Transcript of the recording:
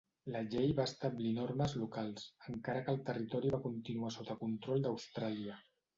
La llei va establir normes locals, encara que el territori va continuar sota control d'Austràlia.